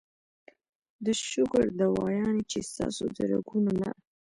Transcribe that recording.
د شوګر دوايانې چې ستاسو د رګونو نه